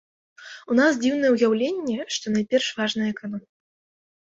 У нас дзіўнае ўяўленне, што найперш важная эканоміка.